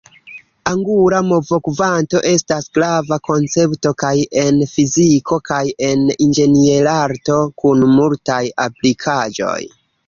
Angula movokvanto estas grava koncepto kaj en fiziko kaj en inĝenierarto, kun multaj aplikaĵoj.